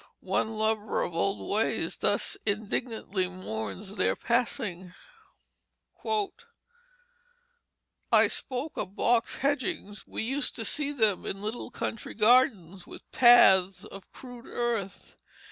One lover of old ways thus indignantly mourns their passing: "I spoke of box edgings. We used to see them in little country gardens, with paths of crude earth.